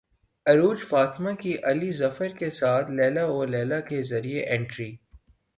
عروج فاطمہ کی علی ظفر کے ساتھ لیلی او لیلی کے ذریعے انٹری